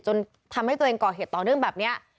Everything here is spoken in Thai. จนทำให้ตัวเองก่อเหตุต่อเนื่องแบบนี้